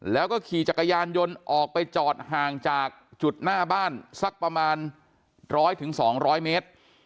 แล้วก็ขี่จักรยานยนต์ออกไปจอดห่างจากจุดหน้าบ้านสักประมาณ๑๐๐๒๐๐เมตร